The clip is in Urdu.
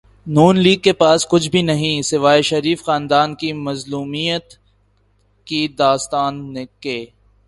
ن لیگ کے پاس کچھ بھی نہیں سوائے شریف خاندان کی مظلومیت کی داستان کے۔